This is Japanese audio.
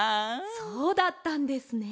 そうだったんですね。